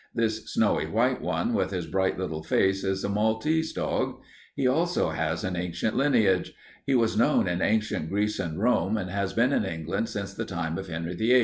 This snowy white one, with his bright little face, is a Maltese dog. He also has an ancient lineage. He was known in ancient Greece and Rome and has been in England since the time of Henry VIII.